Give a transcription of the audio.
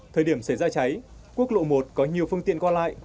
thời điểm xảy ra cháy quốc lộ một có nhiều phương tiện qua lại